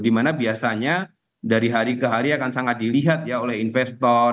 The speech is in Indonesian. dimana biasanya dari hari ke hari akan sangat dilihat ya oleh investor